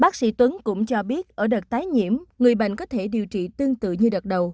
bác sĩ tuấn cũng cho biết ở đợt tái nhiễm người bệnh có thể điều trị tương tự như đợt đầu